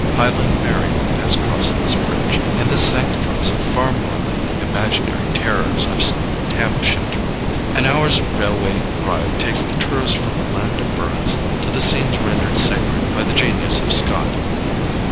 'Highland Mary' has crossed this bridge, and this sanctifies it far more than the imaginary terrors of Tam O'Shanter. An hour's railway ride takes the tourist from the land of Burns to the scenes rendered sacred by the genius of Scott.